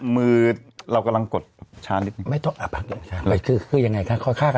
มือเรากำลังกดช้านิดหนึ่งไม่ต้องอ่ะคือคือยังไงครับ